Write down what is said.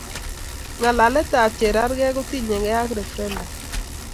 Ngalaletaba Cherargei kotinyekei ak referundum